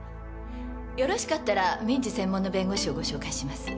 よろしかったら民事専門の弁護士をご紹介します。